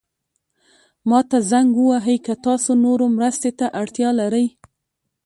ما ته زنګ ووهئ که تاسو نورو مرستې ته اړتیا لرئ.